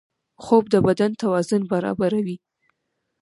خوب د بدن توازن برابروي